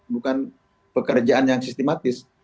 bukan pekerjaan yang sistematis